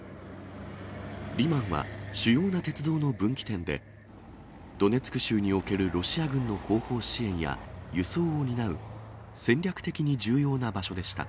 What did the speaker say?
リマンは主要な鉄道の分岐点で、ドネツク州におけるロシア軍の後方支援や、輸送を担う戦略的に重要な場所でした。